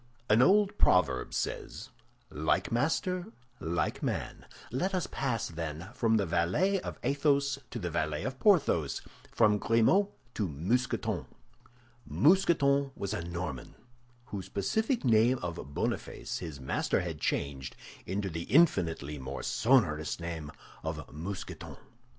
An old proverb says, "Like master, like man." Let us pass, then, from the valet of Athos to the valet of Porthos, from Grimaud to Mousqueton. Mousqueton was a Norman, whose pacific name of Boniface his master had changed into the infinitely more sonorous name of Mousqueton.